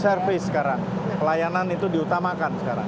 service sekarang pelayanan itu diutamakan sekarang